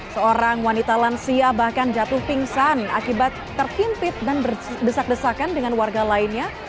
seorang wanita lansia bahkan jatuh pingsan akibat terhimpit dan berdesak desakan dengan warga lainnya